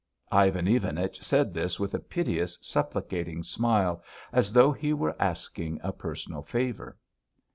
Ivan Ivanich said this with a piteous supplicating smile, as though he were asking a personal favour.